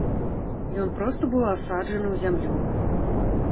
Ён проста быў усаджаны ў зямлю.